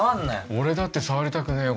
俺だって触りたくねえよ